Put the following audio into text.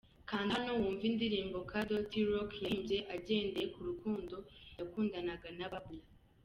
Kanda hano wumve indirimbo'Kado' T Rock yahimbye agendeye ku rukundo yakundanaga na Babla.